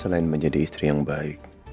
selain menjadi istri yang baik